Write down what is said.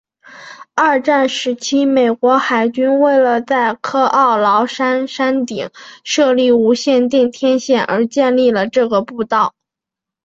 二战时期美国海军为了在科奥劳山山顶设立无线电天线而建立了这条步道。